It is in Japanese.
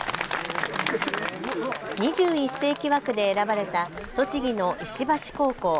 ２１世紀枠で選ばれた栃木の石橋高校。